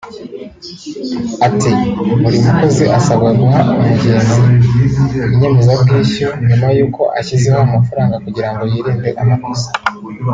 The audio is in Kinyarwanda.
Ati “Buri mukozi asabwa guha umugenzi inyemezabwishyu nyuma y’uko ashyizeho amafaranga kugira ngo yirinde amakosa